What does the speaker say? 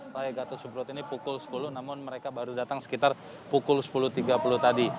raya gatot subroto ini pukul sepuluh namun mereka baru datang sekitar pukul sepuluh tiga puluh tadi